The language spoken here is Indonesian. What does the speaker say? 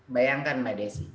bayangkan mbak desi